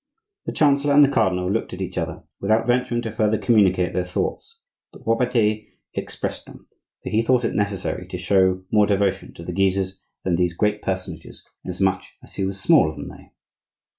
The chancellor and the cardinal looked at each other, without venturing to further communicate their thoughts; but Robertet expressed them, for he thought it necessary to show more devotion to the Guises than these great personages, inasmuch as he was smaller than they.